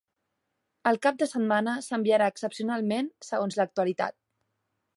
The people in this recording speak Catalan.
El cap de setmana s’enviarà excepcionalment, segons l’actualitat.